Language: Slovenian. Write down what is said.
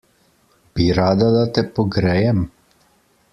Bi rada, da te pogrejem?